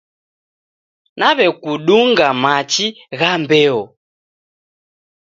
Naw'ekudunga machi gha mbeo.